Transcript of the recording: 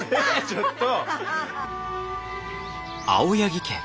ちょっと！